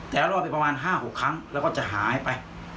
แต่รอดไปประมาณ๕๖ครั้งแล้วก็จะหายไป